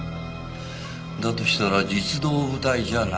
だとしたら実働部隊じゃないね。